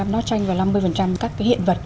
năm mươi nốt tranh và năm mươi các cái hiện vật